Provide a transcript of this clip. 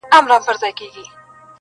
زه د بل له ښاره روانـېـږمـه,